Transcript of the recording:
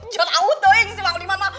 jauh tau dong yang mau nikah sama dia